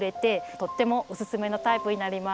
とってもおすすめのタイプになります。